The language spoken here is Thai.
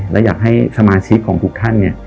และอยากให้สมาชิกของทุกท่านเนี่ย